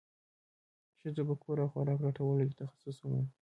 ښځو په کور او خوراک راټولولو کې تخصص وموند.